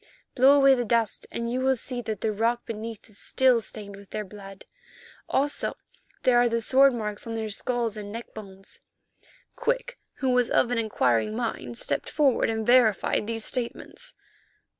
Blow away the dust, and you will see that the rock beneath is still stained with their blood; also, there are the sword marks on their skulls, and neckbones." Quick, who was of an inquiring mind, stepped forward and verified these statements.